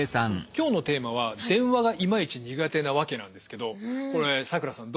今日のテーマは「電話がイマイチ苦手なワケ」なんですけどこれ咲楽さん